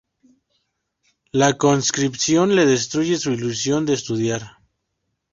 La conscripción le destruye su ilusión de estudiar.